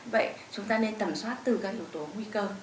vậy chúng ta nên tầm soát từ các yếu tố nguy cơ